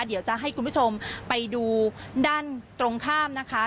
เดี๋ยวจะให้คุณผู้ชมไปดูด้านตรงข้ามนะคะ